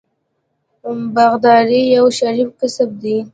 باغداري یو شریف کسب دی.